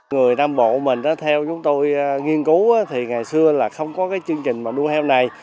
người nam bộ mình theo chúng tôi nghiên cứu thì ngày xưa là không có chương trình đua heo này